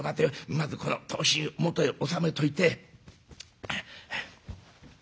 まずこの刀身元へ収めといて」。